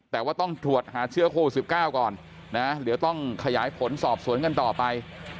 แต่ว่าต้องตรวจหาเชื้อโควิด๑๙ก่อนนะเดี๋ยวต้องขยายผลสอบสวนกันต่อไป